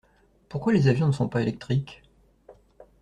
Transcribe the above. Pourquoi les avions ne sont pas électriques?